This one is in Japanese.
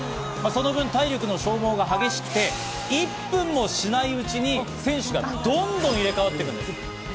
その分、体力の消耗が激しくて、１分もしないうちに選手がどんどん入れ替わっていくんです。